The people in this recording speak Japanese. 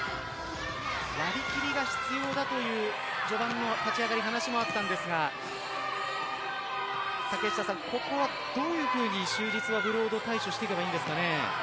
割り切りが必要だという序盤の立ち上がり話もあったんですがここはどういうふうに就実はブロードを対処していけばいいんですかね。